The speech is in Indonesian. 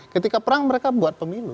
ketika perang mereka buat pemilu